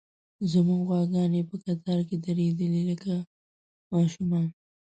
زموږ غواګانې په قطار کې درېدلې، لکه ماشومان.